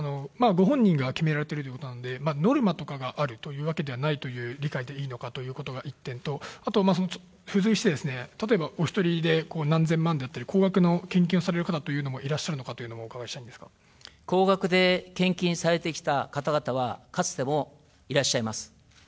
ご本人が決められているということなので、ノルマとかがあるというわけではないという理解でいいのかということが１点と、あと付随して、お１人で何千万だったり、高額の献金をされる方というのもいらっしゃるのかとお伺いしたい高額で献金されてきた方々は、かつてもいらっしゃいます。